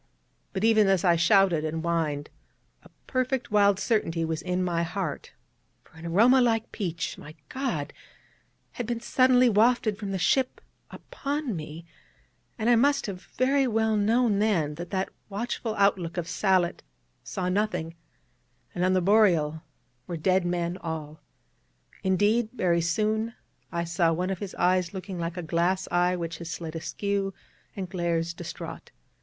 But even as I shouted and whined, a perfect wild certainty was in my heart: for an aroma like peach, my God, had been suddenly wafted from the ship upon me, and I must have very well known then that that watchful outlook of Sallitt saw nothing, and on the Boreal were dead men all; indeed, very soon I saw one of his eyes looking like a glass eye which has slid askew, and glares distraught.